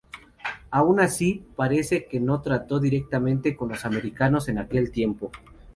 Aun así, parece que no trató directamente con los americanos en aquel tiempo.